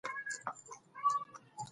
نوې څېړنې د ژبې پر وده اندېښنه ښيي.